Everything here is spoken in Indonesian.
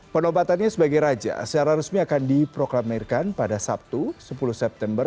penobatannya sebagai raja secara resmi akan diproklamirkan pada sabtu sepuluh september